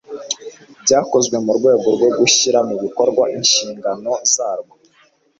byakozwe mu rwego rwo gushyira mu bikorwa inshingano zarwo